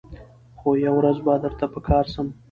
خو یوه ورځ به درته په کار سم